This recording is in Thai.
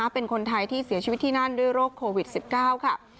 เป็นคนไทยที่เสียชีวิตที่นั่นด้วยโรคโควิด๑๙ค่ะ